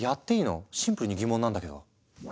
シンプルに疑問なんだけど。